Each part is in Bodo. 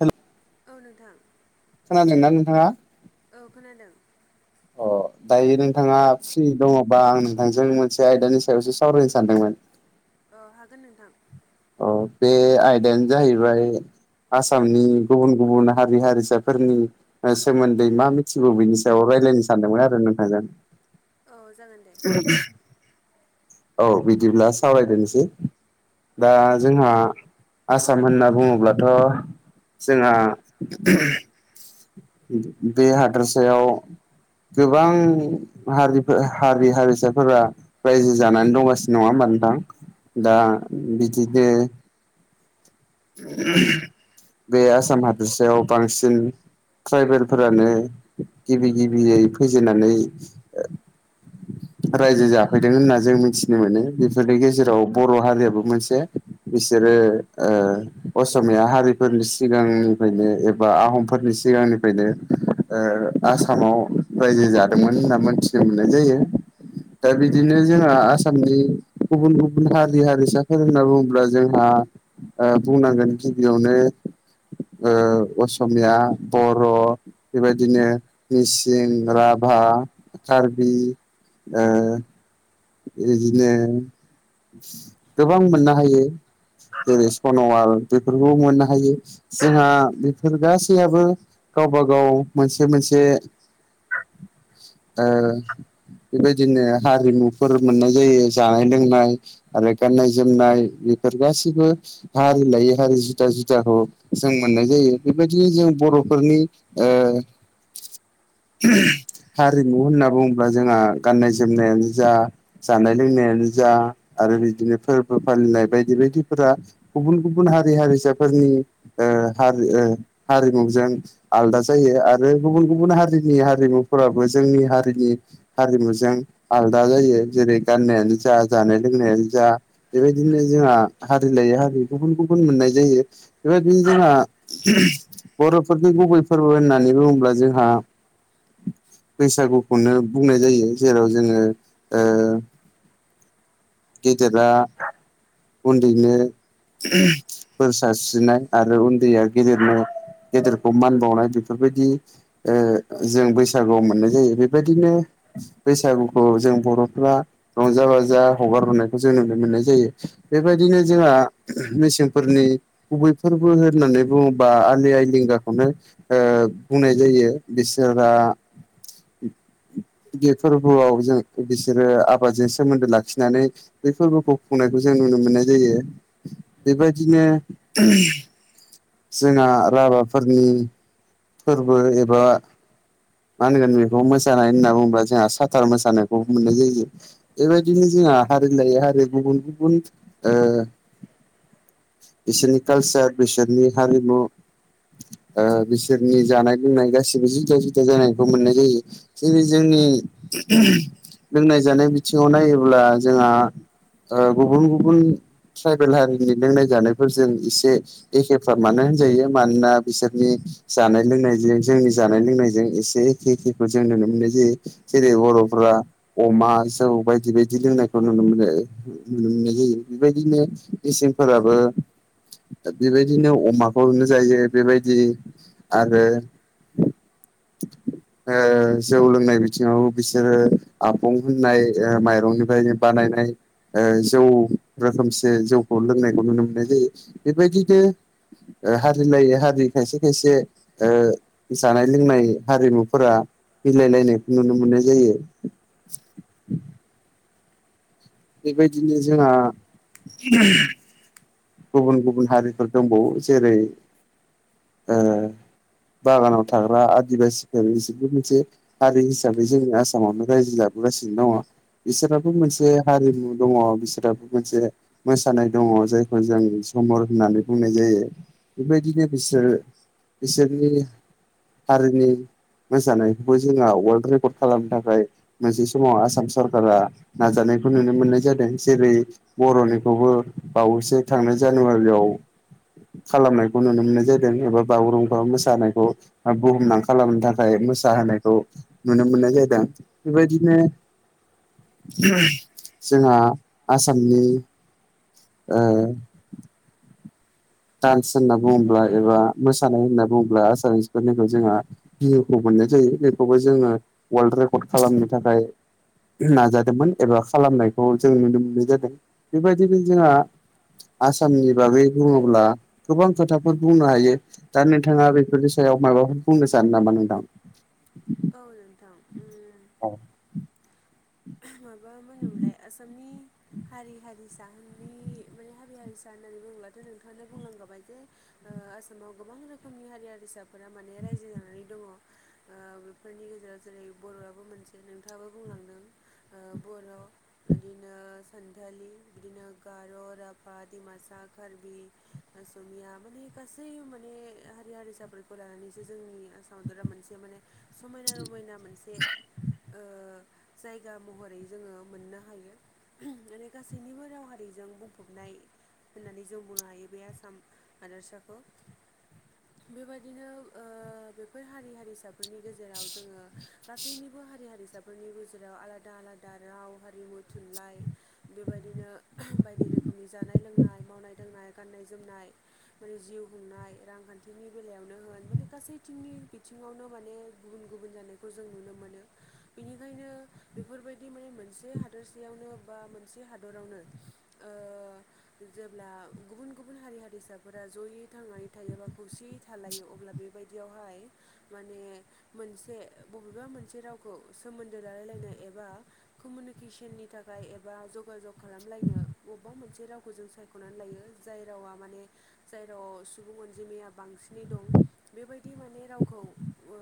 हेल'। औ नोंथां। खोनादों ना नोंथाङा? औ खोनादों। अ। दायो नोंथाङा फ्रि दङबा आं नोंथांजों मोनसे आयदानि सायावसो सावरायनो सानदोंमोन। औ हागोन नोंथां। अ बे आयदायानो जाहैबाय आसामनि गुबुन-गुबुन हारि-हारिसाफोरनि सोमोन्दै मा मिथिगौ बिनि सायाव रायज्लायनो सानदोंमोन आरो नोंथांजों। औ जागोन दे औ बिदिब्ला सावरायदोनोसै औ दा जोंहा आसाम होनना बुङोब्लाथ' जोंहा बे हादोरसायाव गोबां हारिफोर हारि-हारिसाफोरा रायजो जानानै दंगासिनो नङा होमबा नोंथां दा औ बिदिनो बे आसाम हादोरसायाव बांसिन ट्राइबेलफोरानो गिबि-गिबियै फैजेननानै रायजो जाफैदों होनना जों मिथिनो मोनो बेफोरनि गेजेराव बर' हारियाबो मोनसे बिसोरो ओं ओं। असमिया हारिफोरनि सिगांनिफ्रायनो एबा आहमफोरनि सिगांनिफ्रायनो आसामाव रायजो जादोंमोन होनना मोनथि मोननाय जायो दा औ बिदिनो जोंहा आसामनि गुबुन गुबुन हारि हारिसाफोर होनना बुङोब्ला जोंहा बुंनांगोन गिबियावनो असमिया बर' बेबायदिनो मिसिं, राभा कार्बि ओं इदिनो गोबां मोननो हायो। जेरै सन'वाल बेफोरखौबो मोननो हायो जोंहा बेफोर गासैआबो गावबा गाव मोनसे मोनसे बेबायदिनो हारिमु फोर मोननाय जायो जानाय लोंनाय आरो गाननाय जोमनाय बेफोर गासिबो हारि लायै हारि जुदा जुदाखौ जों मोननाय जायो बेबायदिनो जों बर'फोरनि हारिमु होनना बुङोब्ला जोंहा गाननाय जोमनायानो जा जानाय लोंनायानो जा आरो बिदिनो फोरबो फालिनाय बायदि बायदिफोरा गुबुन गुबुन गुबुन हारि हारिसाफोरनि हारि हारिमुजों आलादा जायो आरो। गुबुन गुबुन हारिनि हारिमुफोराबो जोंनि हारिनि हारिमुजों आलादा जायो। जेरै गाननायानो जा जानाय लोंनायानो जा बेबायदिनो जोंहा हारि लायै हारि गुबुन गुबुन नुनो मोननाय जायो बेबायदिनो जोंहा बर'फोरनि गुबै फोरबो होननानै बुङोब्ला जोंहा बैसागुखौनो बुंनाय जायो जेराव जोङो गेदेरा उन्दैनो बोर सारस्रिनाय आरो उन्दैया गेदेरनो गेदेरखौ मान बावनाय बेफोरबायदि जों बैसागुआव मोननाय जायो बेबायदिनो बैसागुखौ जों बर'फ्रा रंजा बाजा हगार हरनायखौ जों नुनो मोननाय जायो बेबायदिनो जोंहा मेसेंफोरनि गुबै फोरबो बो होननानै बुङोबा आलि आइलिंगाखौनो बुंनाय जायो बिसोरहा बे फोरबोआव जों बिसोरो आबादजों सोमोन्दो लाखि नानै बे फोरबोखौ खुंनायखौ जों नुनो मोननाय जायो बेबायदिनो जोंहा राभाफोरनि फोरबो एबा मा होनगोन बेखौ मोसानाय होनना बुङोबा जोंहा साथार मोसानायखौ मोननाय जायो बेबायदिनो जों जोंहा हारि लायो हारि गुबुन गुबुन बिसोरनि कालचार बिसोरनि हारिमु बिसो सोरनि जानाय लोंनाय गासैबो जुदा जुदा जानायखौ मोननाय जायो जोंनि जोंनि लोंनाय जानाय बिथिङाव नायोब्ला जोंहा गुबुन गुबुन ट्राइबेल हारिनि लोंनाय जानायफोरजों एसे एखेफ्रामआनो होनजायो मानोना बिसोरनि जानाय लोंनायजों जोंनि जानाय लोंनायजों एसे एखे एखेखौ जों नुनो मोननाय जायो जेरै बर'फोरा अमा जौ बायदि बायदि लोंनायखौ नुनो मोनो नुनो मोननाय जायो बेबायदिनो मिसिंफोराबो बेबायदिनो अमाखौनो जायो बेबायदि आरो। ओ जौ लोंनाय बिथिङाव बिसोरो आपं होननाय ओ माइरंनिफ्रायनो बानायनो नाय ओ जौ रोखोमसे जौखौ लोंनायखौ नुनो मोननाय जायो। बेबायदिनो ओ हारि लायै हारि खायसे खायसे ओ जानाय लोंनाय हारिमुफोरा मिलाय लायनायखौ नुनो मोननाय जायो। बेबायदिनो जोंहा गुबुन गुबुन हारिफोर दंबावो जेरै बागानाव थाग्रा आदिबासिफोर बिसोरबो मोनसे हारि हिसाबै जोंनि आसामावनो रायजो जा नुबो गासिनो दङ। बिसोराबो मोनसे हारिमु दङ बिसोराबो मोनसे मोसानाय दङ जायखौ जों जममर होननानै बुंनाय जायो। यो। बेबायदिनो बिसोरो बिसोरनि हारिनि मोसानायखौबो जोंहा अवर्ल्ड रेकर्ड खालामनो थाखाय मोनसे समाव आसाम सरकारा नाजानाय खौ नुनो मोननाय जादों। जेरै बर'निखौबो बावैसो थांनाय जानुवारियाव खालामनायखौ नुनो मोननाय जादों। एबा बागुरुमबा मोसानायखौ बुहुमनां खालामनो थाखाय मोसाहोनायखौ नुनो मोननाय जादों। बेबायदिनो जोंहा आसामनि ओ डान्स होनना बुङोब्ला एबा मोसानाय होनना बुङोब्ला? आसामिसफोरनिखौ जोंहा बिहुखौ मोन मोननाय जायो। बेखौबो जोङो अवर्ल्ड रेकर्ड खालामनो थाखाय। नाजादोंमोन एबा खालामनायखौ जों नुनो मोननाय जादों। बेबायदिनो जोंहा आसामनि बागै बुंङो अब्ला गोबां खोथाफोर बुंनो हायो। दा नोंथाङा बेफोरनि सायाव माबाफोर बुंनो सानो नामा नोंथां? [inaudible] औ नोथां उम औ [inaudible] माबा होनो मोनलाय आसामनि हारि हारिसाफोरनि माने हारि हारिसा होननानै बुंङोब्ला। दासो नोंथाङानो बुंलांखाबाय जे ओ आसामाव गोबां रोखोमनि हारि हारिसाफोरा माने रायजो जानानै दङ। ओ बेफोरनि गेजेराव जेरै बर'आबो मोनसे नोंथाङाबो बुंलांदों। ओ [inaudible] बर' इदिनो सानथालि बिदिनो गार', राभा, दिमासा, कार्बि बि, असमिया माने गासै माने हारि हारिसाफोरखौ लानानैसो जोंनि आसामाव रा मोनसे माने समायना रमायना मोनसे ओ जायगा महरै जोङो मोननो हायो। माने गासैनिबो राव हारिजों बुंफबनाय होननानै जों बुंनो हायो। बे आसाम हादोरसाखौ। बेबायदिनो ओ बेफोर हारि हारिसाब फोरनि गेजेराव जोङो गासैनिबो हारि हारिसाफोरनिबो जेराव आलादा आलादा राव हारिमु थुनलाइ बेबायदिनो बायदि रोखोमनि जानाय नाय लोंनाय, मावनाय दांनाय, गाननाय जोमनाय माने जिउ खुंनाय रांखान्थिनि बेलायावनो होन माने गासैथिंनि बिथिङावनो माने गुबुन गुबुन जानायखौ जों नुनो मोनो। बेनिखायनो बेफोरबायदि माने मोनसे हादोरसेयावनो बा मोनसे हादरावनो। ओ ओ जेब्ला गुबुन गुबुन हारि हारिसाफोरा जयै थांनानै थायो बा खौसेयै थालायो। अब्ला बे बादियावहाय माने मोनसे बबेबा मोनसे रावखौ सोमोन्दो लालाय लायनाय। ओ एबा कमनिकेसननि थाखाय एबा जगाजग खालामलायनो। बबेबा मोनसे रावखौ जों सायख'नानै लायो। जाय रावा माने जायाव सुबुं अनजिमाया बांसिनै दं। बे बेबायदि माने रावखौ ओ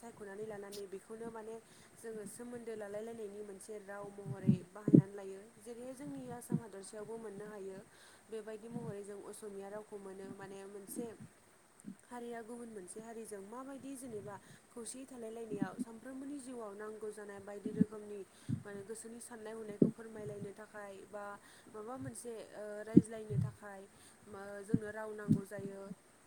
सायख'नानै लानानै बेखौनो माने जोङो सोमोन्द दो लालाय लायनायनि मोनसे राव महरै बाहायनानै लायो। जेरैहाय जोंनि आसाम हादरसायावबो मोननो हाय यो बेबायदि महरै जों अस'मिया रावखौ मोनो माने मोनसे हारिया गुबुन मोनसे हारिजों माबायदि जेनेबा खौसेयै थालायलायनायाव सानफ्रोमबोनि जिउआव नांगौ जानाय बाय दि रोखोमनि माने गोसोनि साननाय हनायखौ फोरमायलायनो थाखाय बा माबा मोनसे ओ ओ रायज्लायनो थाखाय जोंनो राव नांगौ जायो।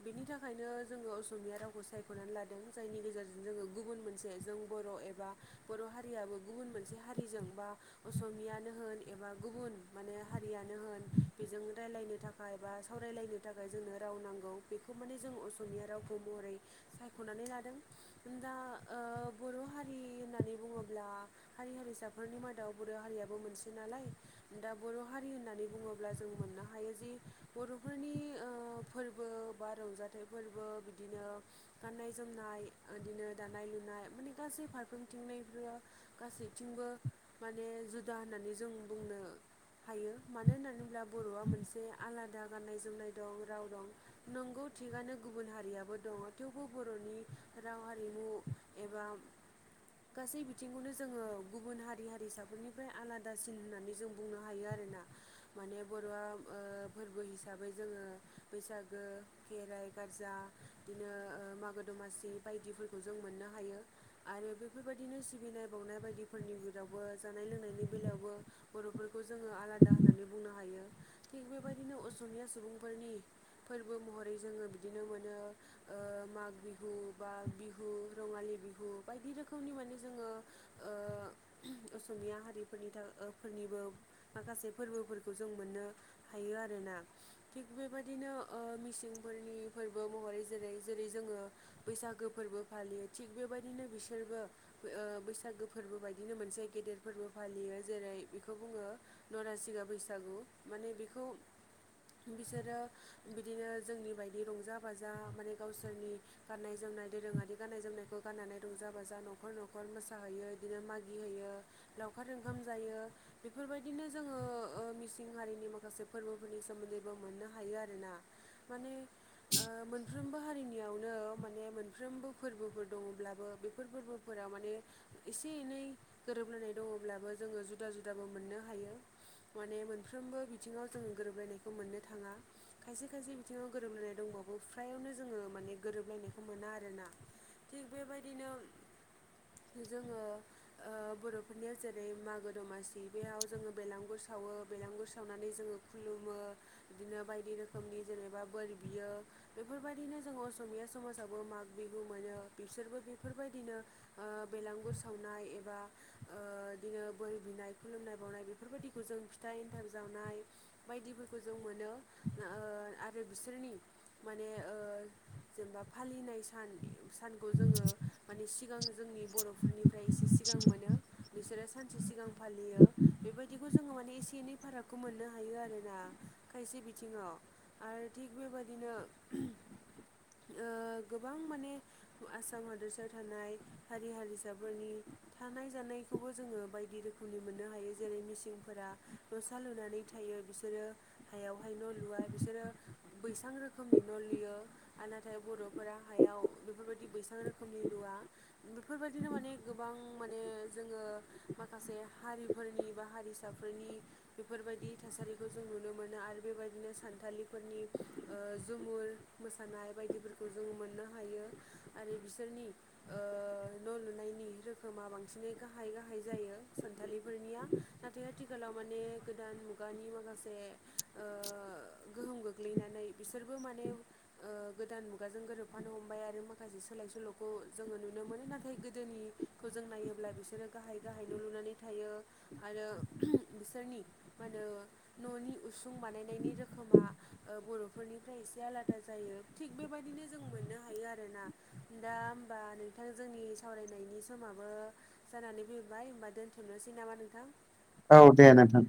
बेनि थाखायनो जोङो अस असमिया रावखौ सायख'नानै लादों जायनि गेजेरजों जोङो गुबुन मोनसे जों बर' एबा बर' हारि। हारियाबो गुबुन मोनसे हारिजों बा असमियानो होन एबा गुबुन माने हारियानो होन बेजों रायलायनो थाखाय बा सावरायलायनो थाखाय जोंनो राव नांगौ बेखौ माने जों असमिया रावखौ। महरै सायख'नानै लादों दा बर' हारि होननानै बुङोब्ला ब्ला हारि हारिसाफोरनि मादाव बर' हारियाबो मोनसे नालाय दा बर' हारि होननानै बुङोब्ला अब्ला जों मोननो हायो जि बर'फोरनि ओ फोरबो बा रंजाथाइ फोरबो बिदिनो गाननाय जोमनाय बिदिनो दानाय लुनाय माने गासै फारफ्रोमथिंबो गासैथिंबो माने जुदा होननानै जों बुंनो। हायो मानो होननानै बुंओला बर'आ मोनसे आलादा गाननाय जोमनाय दं राव दं नंगौ। थिगनो गुबुन हारियाबो दङ थेवबो बर'नि राव हारिमु एबा गासेै बि बिथिंखौनो जोङो गुबुन हारि हारिसाफोरनिफ्राय आलादासिन होननानै जों बुंनो हायो आरोना। माने बर'आ फोरबो हिसाबै जोङो बैसागो खेराइ गारजा बिदिनो मागो दमासि बायदिफोरखौ जों मोननो हायो आरो बेफोरबायदिनो मोदाय बावनाय बायदिफोरनि बेवबो जानाय लोंनायनि बेलायावबो बर'फोरखौ जोङो आलादा होननानै बुङो। नो हायो थिग बेबायदिनो असमिया सुबुंफोरनि फोरबो महरै जोङो बिदिनो मोनो। ओ माग बिहु बा बिहु रङालि बिहु बायदि रोखोमनि माने जोङो ओ असमिया हारिफोरनि फोरनिबो माखासे फोरबोफोरखौ जों मोनो हायो आरोना थिग बेबायदिनो ओ मिसिंफोरनि फोरबो महरै जेरै जेरै जोङो बैसागो फोरबो फालियो थिग बेबायदिनो बिसोरबो बैसागो फोरबो बायदिनो मोनसे गेदेर फोरबो फालियो जेरै बेखौ बुङो नरासिं बा बैसागु माने बेखौ बिसोरो बिदिनो जोंनि बायदि रंजा बाजा माने गावसोरनि गाननाय जोम जोमनाय दोरोङारि गाननाय जोमनायखौ गाननानै रंजा बाजा न नखर न'खर मोसाहैयो बिदिनो मागि होयो लावखार ओंखाम जायो बेफोरबायदिनो जोङो ओ ओ मिसिं हारिनि माखासे फोरबोफोरनि सोमोन्दैबो मोननो हायो आरोना माने ओ मोनफ्रोमबो हारिनियावनो माने मोनफ्रोमबो फोरबोफोर दङब्लाबो बेफोर फोरबो फोराव माने एसे एनै गोरोबलायनाय दङब्लाबो जोङो जुदा जुदाबो मोननो हायो। माने मोनफ्रोमबो बिथिङाव जों गोरोबलायनायखौ मोननो थाङा। खायसे खायसे बिथिङाव गोरोबलायनाय दंबावो फ्रायावनो जोङो माने गोरोबलायनायखौ मोना आरोना। थिग बेबायदिनो [inaudible] जोङो ओ बर'फोरनियाव जेरै मागो दमासि बेयाव जोङो बेलागुर सावो। बेलगुर सावनानै जोङो खुलुमो बिदिनो बायदि रोखोमनि जेनेबा बोर बियो। बेफोरबायदिनो जों असमिया समाजावबो माग बिहु मोनो बिसोरबो बेफोरबायदिनो। ओ बेलांगुर सावनाय एबा ओ बिदिनो बोर बिनाय खुलुमनाय बावनाय बेफोरबायदिखौ ज जों फिथाइ एन्थाब जावनाय बायदिफोरखौ जों मोनो आरो बिसोरनि माने ओ जेनेबा फालिनाय सान सान। खौ जोङो माने सिगां जोंनि बर'फोरनिफ्राय एसे सिगां मोनो। बिसोरो सानसे सिगां फालियो बेबायदिखौ जोङो माने एसे एनै फारागखौ मोननो हायो आरोना। खायसे बिथिङाव आरो थिग बेबादिनो गोबां माने आसाम हादरसायाव थानाय। हारि हारिसाफोरनि थानाय जानायखौबो जोङो बायदि रोखोमनि मोननो हायो जेरै मिसिंफोर न'सा लुनानै थायो बिसोरो हायावहाय न' लुवा बिसोरो बैसां रोखोम रोखोमनि न' लुयो आरो नाथाय बर'फोरा हायाव बेफोरबायदि बैसां रोखोमनि लुवा बेफोरबायदिनो माने गोबां माने जोङो माखासे हारिफोरनि बा हारिसा फोरनि बेफोरबायदि थासारिखौ जों नुनो मोनो आरो बेबायदिनो सानथालिफोरनि ओ जुमुर मोसानाय बायदिफोरखौ जोङो मोननो हायो आरो बिसोरनि ओ न' लुनायनि [unintelligible] रोखोमा बांसिनै गाहाय गाहाय जायो सानथालिफोरनिया नाथाय आथिखालाव माने गोदान मु गानि माखासे ओ गोहोम गोग्लैनानै बिसोरबो माने ओ गोदान मुगाजों गोरोबफानो हमबाय आरो माखासे सोलाय सोल'खौ जोङो नुनो मोनो नाथाय गोदोनिखौ जों नायोब्ला बिसोरो गाहाय गाहाय न' लुनानै थायो आ रो बिसोरनि मा होनो न'नि उसुं बानायनायनि रोखोमा ओ बर'फोरनिफ्राय एसे आलादा जायो थिग बेबायदिनो जों मोननो हायो आरोना दा - होमबा नोंथां जोंनि सावरायनायनि समाबो जानानै फैबाय होमबा दोनथ'नोसै नामा नोंथां। औ दे नोंथां